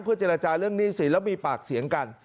เพื่อเจรจาเรื่องนิสินแล้วมีปากเสียงกัน